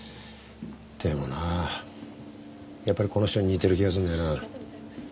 でもなやっぱりこの人に似てる気がするんだよな。